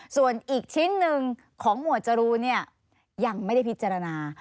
ส่วนอีกชิ้นหนึ่งของหมวดจรูนยังไม่ได้พิจารณา